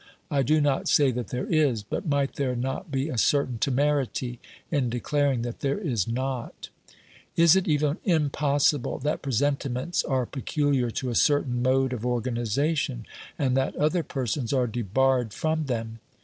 I do not say that there is, but might there not be a certain temerity in declaring that there is not ? Is it even impossible that presentiments are peculiar to a certain mode of organisation, and that other persons are debarred from them